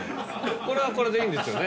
これはこれでいいんですよね